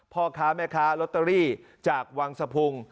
พ่อค้าแม่ค้าลอตเตอรี่จากวังสะพุง